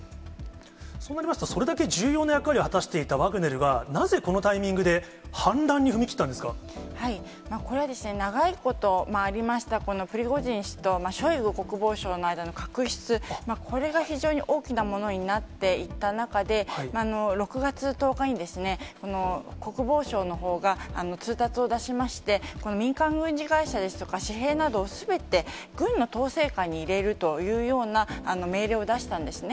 そうなりますと、それだけ重要な役割を果たしていたワグネルが、なぜこのタイミンこれは長いことありました、このプリゴジン氏とショイグ国防相との間の確執、これが非常に大きなものになっていった中で、６月１０日にですね、この国防省のほうが通達を出しまして、この民間軍事会社ですとか、私兵など、すべて軍の統制下に入れるというような命令を出したんですね。